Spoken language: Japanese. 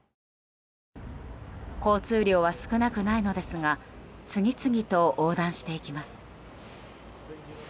交通量は少なくないのですが次々と横断していきます。